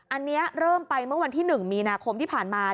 อันนี้เริ่มไปเมื่อวันที่๑มีนาคมที่ผ่านมา